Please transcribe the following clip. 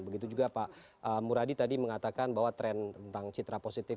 begitu juga pak muradi tadi mengatakan bahwa tren tentang citra positif